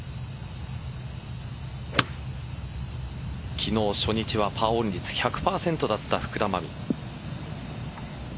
昨日、初日はパーオン率１００％だった福田真未。